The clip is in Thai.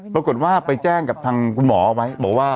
ปรากฏว่าไปแจ้งกับทางคุณหมอไว้